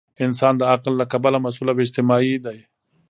انسان د عقل له کبله مسؤل او اجتماعي دی.